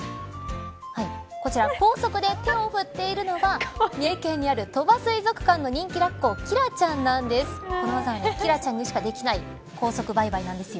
こちら高速で手を振っているのは三重県にある鳥羽水族館の人気ラッコキラちゃんなんです。